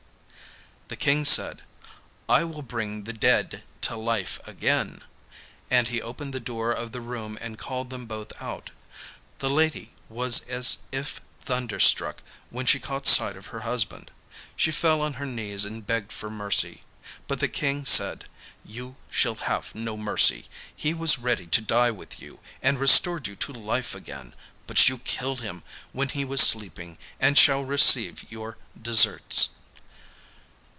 The King said, 'I will bring the dead to life again,' and he opened the door of the room and called them both out. The lady was as if thunderstruck when she caught sight of her husband; she fell on her knees and begged for mercy. But the King said, 'You shall have no mercy. He was ready to die with you, and restored you to life again; but you killed him when he was sleeping, and shall receive your deserts.